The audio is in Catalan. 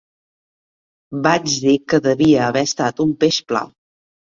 Vaig dir que devia haver estat un peix pla.